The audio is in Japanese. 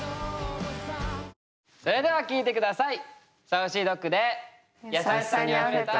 それでは聴いて下さい！